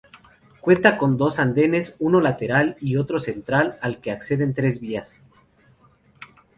Cuenta con dos andenes, uno lateral y otro central al que acceden tres vías.